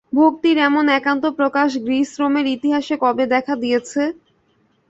ভক্তির এমন একান্ত প্রকাশ গ্রীস-রোমের ইতিহাসে কবে দেখা দিয়েছে?